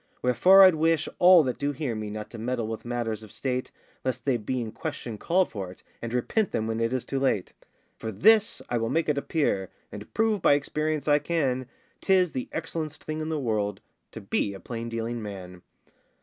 Wherefore I'd wish all that do hear me Not to meddle with matters of state, Lest they be in question called for it, And repent them when it is too late. For this I will make it appear, And prove by experience I can, 'Tis the excellen'st thing in the world To be a plain dealing man.